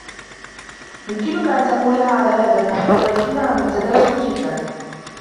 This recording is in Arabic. يمكنكَ أن تقولها على هذا النحو, ولكنها مُبتذلة جداَ.